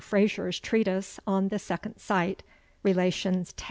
Fraser's Treatise on the Second Sight, Relations x.